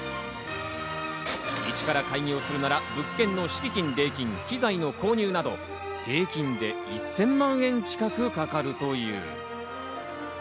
イチから開業するなら物件の敷金、礼金、機材の購入など平均で１０００万円近くかかるという。